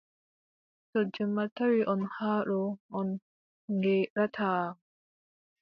To jemma tawi on haa ɗo, on ngeeɗataa.